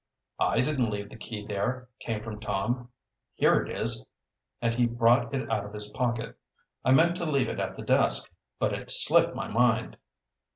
"I didn't leave the key there," came from Tom. "Here it is," and he brought it out of his pocket. "I meant to leave it at the desk, but it slipped my mind."